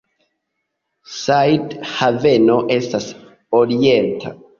Said Haveno estas oriente.